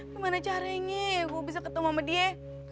gimana caranya ibu bisa ketemu sama dia